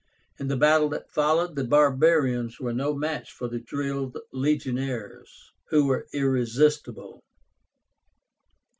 In the battle that followed, the barbarians were no match for the drilled legionaries, who were irresistible.